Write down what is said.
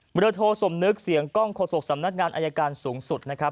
เรือโทสมนึกเสียงกล้องโฆษกสำนักงานอายการสูงสุดนะครับ